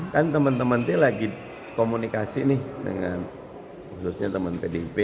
kan teman teman itu lagi komunikasi nih dengan khususnya teman pdip